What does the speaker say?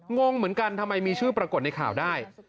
งงเหมือนกันทำไมมีชื่อปรากฏในข่าวได้